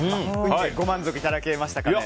ご満足いただけましたかね？